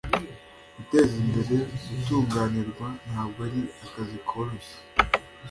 Gutezimbere gutunganirwa ntabwo ari akazi koroshye.